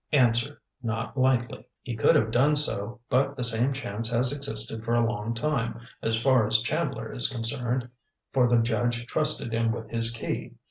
"Answer: Not likely. He could have done so, but the same chance has existed for a long time, as far as Chandler is concerned, for the judge trusted him with his key.